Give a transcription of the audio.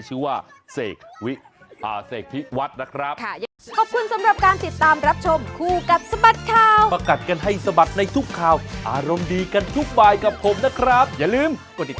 เอาแล้วมาให้ดูกันแบบนี้ขอบคุณ